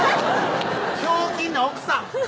ひょうきんな奥さん！